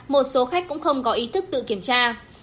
một số khách cũng không có ý thức tự kiểm tra